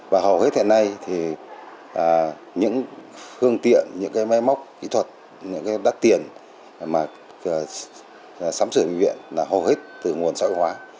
và hầu hết hiện nay thì những phương tiện những cái máy móc kỹ thuật những cái đắt tiền mà sắm sửa bệnh viện là hầu hết từ nguồn xã hội hóa